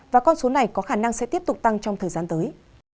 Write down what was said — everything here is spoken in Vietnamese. và con số này có khả năng sẽ tiếp tục tăng trong thời gian tới